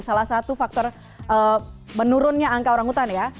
salah satu faktor menurunnya angka orang hutan ya